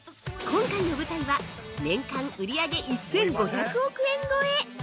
◆今回の舞台は、年間売り上げ１５００億円超え！